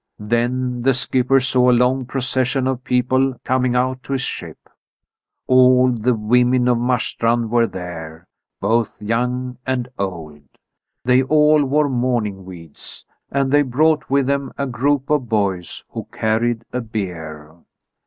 Then the skipper saw a long procession of people coming out to his ship. All the women of Marstrand were there, both young and old. They all wore mourning weeds, and they brought with them a group of boys who carried a bier.